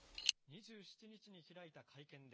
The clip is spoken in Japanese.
２７日に開いた会見で。